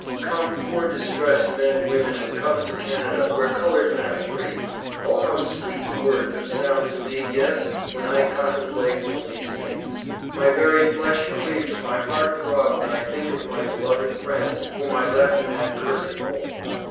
Come Poor distress men women and come to Canada where colored men are free. Oh how sweet the word do sound to me yeas when I contemplate of these things, my very flesh creaps my heart thrub when I think of my beloved friends whom I left in that cursid hole.